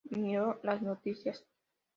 Miro las noticias.